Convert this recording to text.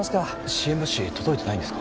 支援物資届いてないんですか？